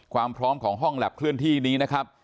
ความพร้อมของห้องแล็บเคลื่อนที่นี้นะครับ